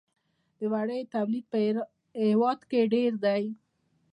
د وړیو تولید په هیواد کې ډیر دی